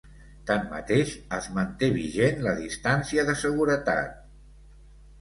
Tanmateix es manté vigent la distància de seguretat.